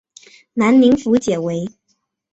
南宁府解围。